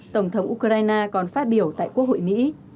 tổng thống ukraine còn phát biểu tại quốc hội mỹ